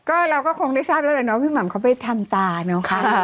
ก็เราก็คงได้ทราบแล้วแล้วเนอะว่าว่าพี่หม่าเขาไปทำตาเนอะครับ